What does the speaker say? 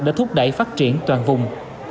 để thúc đẩy phát triển toàn vùng